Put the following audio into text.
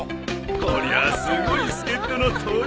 こりゃあすごい助っ人の登場だ。